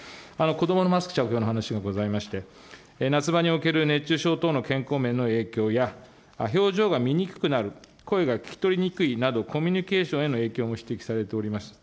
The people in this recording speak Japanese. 子どものマスク着用の話がございまして、夏場における熱中症等の健康面への影響や、表情が見にくくなる、声が聞き取りにくいなどコミュニケーションへの影響も指摘されております。